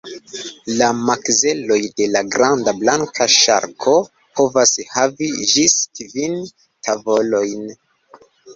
La makzeloj de la granda blanka ŝarko povas havi ĝis kvin tavolojn.